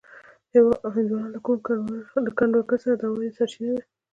هندوانه له کروندګرو سره د عوایدو سرچینه ده.